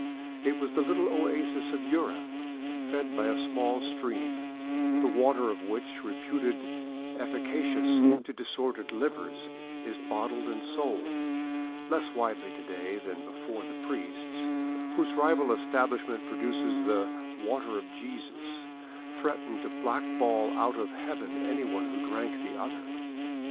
It was the little oasis of Yura, fed by a small stream, the water of which, reputed efficacious to disordered livers, is bottled and sold — less widely to day than before the priests, whose rival establishment produces the " Water of Jesus," threatened to blackball out of heaven anyone who drank the other.